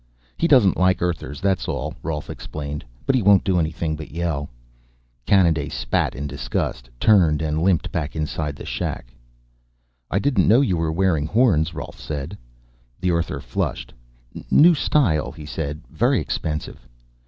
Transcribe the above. "He doesn't like Earthers, that's all," Rolf explained. "But he won't do anything but yell." Kanaday spat in disgust, turned, and limped back inside the shack. "I didn't know you were wearing horns," Rolf said. The Earther flushed. "New style," he said. "Very expensive."